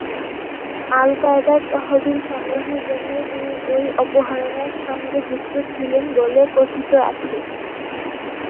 আল-কায়েদার তহবিল সংগ্রহের জন্যই তিনি ওই অপহরণের সঙ্গে যুক্ত ছিলেন বলে কথিত আছে।